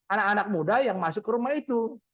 anak anak muda yang masuk ke rumah itu